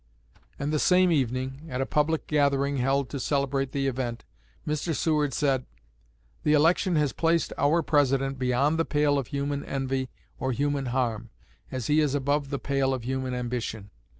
And the same evening, at a public gathering held to celebrate the event, Mr. Seward said: "The election has placed our President beyond the pale of human envy or human harm, as he is above the pale of human ambition.